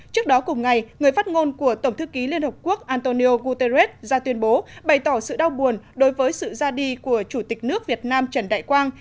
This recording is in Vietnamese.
trước đó cùng ngày người phát ngôn của tổng thư ký liên hợp quốc antonio guterres ra tuyên bố bày tỏ sự đau buồn đối với sự ra đi của chủ tịch nước việt nam trần đại quang